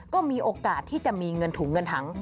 ก็มีโอกาสที่จะมีเงินถุงเงินถัง